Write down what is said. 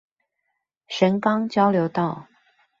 神岡交流道